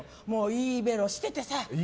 いいベロしててさ。